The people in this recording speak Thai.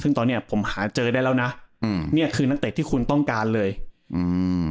ซึ่งตอนเนี้ยผมหาเจอได้แล้วนะอืมเนี้ยคือนักเตะที่คุณต้องการเลยอืม